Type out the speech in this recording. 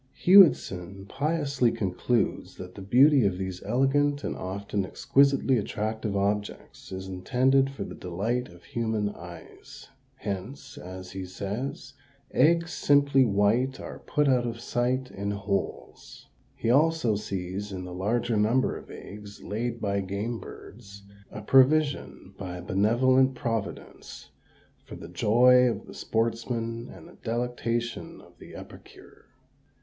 "* Hewitson piously concludes that the beauty of these elegant and often exquisitely attractive objects is intended for the delight of human eyes; hence, as he says, eggs simply white are put out of sight in holes! He also sees in the larger number of eggs laid by game birds a provision by a benevolent Providence for the joy of the sportsman and the delectation of the epicure.